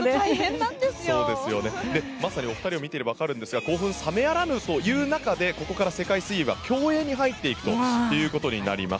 まさにお二人を見ていれば分かるんですが興奮冷めやらぬという中でここから世界水泳は競泳に入っていきます。